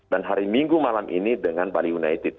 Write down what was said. dan hari minggu malam ini dengan bali united